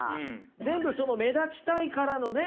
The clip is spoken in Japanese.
全部目立ちたいからのね